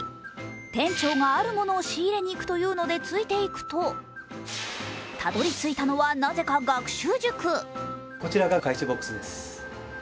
店長があるものを仕入れに行くというのでついていくと、たどり着いたのは、なぜか学習塾。